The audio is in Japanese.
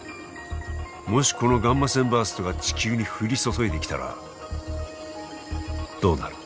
もしこのガンマ線バーストが地球に降り注いできたらどうなる？